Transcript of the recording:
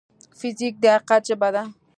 فزیک د حقیقت ژبه ده.